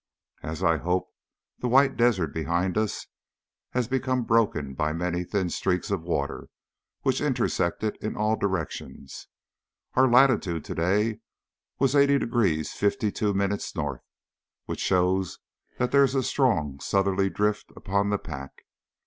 As I had hoped, the white desert behind us has become broken by many thin streaks of water which intersect it in all directions. Our latitude to day was 80 degrees 52' N., which shows that there is a strong southerly drift upon the pack.